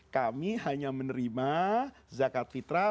kami hanya menerima zakat fitrah